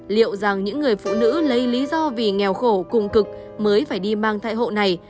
liệu rằng những người phụ nữ lấy lý do vì nghèo khổ cùng cực mới phải đi mang thai hộ này